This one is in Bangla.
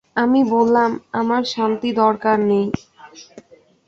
আমি বললাম, আমার শান্তি দরকার নেই।